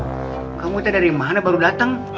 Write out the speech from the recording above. kamu tadi dari mana baru datang